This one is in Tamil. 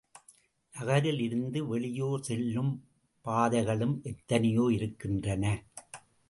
நகரில் இருந்து வெளியூர் செல்லும் பாதைகளும் எத்தனையோ இருக்கின்றன.